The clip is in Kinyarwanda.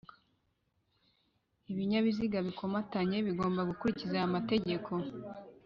ibinyabiziga bikomatanye bigomba gukurikiza aya mategeko